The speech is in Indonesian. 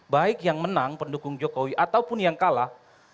baik yang menang pendukung jokowi ataupun yang kalah